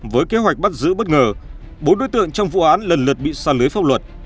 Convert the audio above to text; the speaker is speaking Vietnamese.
với kế hoạch bắt giữ bất ngờ bốn đối tượng trong vụ án lần lượt bị xa lưới pháp luật